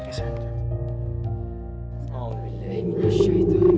assalamualaikum warahmatullahi wabarakatuh